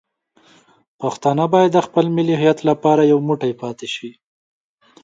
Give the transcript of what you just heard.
پښتانه باید د خپل ملي هویت لپاره یو موټی پاتې شي.